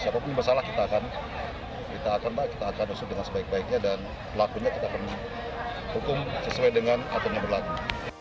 siapapun yang bersalah kita akan atur dengan sebaik baiknya dan pelakunya kita akan hukum sesuai dengan aturnya berlaku